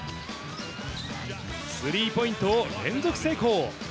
スリーポイントを連続成功。